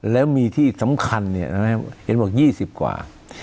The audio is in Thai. แล้วมีที่สำคัญ๒๐กว่า